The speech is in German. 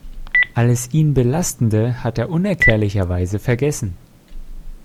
Alles ihn belastende hat er unerklärlicherweise vergessen.